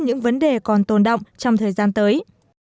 những vấn đề còn tồn động trong thời gian tới